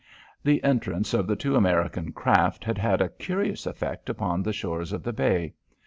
The entrance of the two American craft had had a curious effect upon the shores of the bay.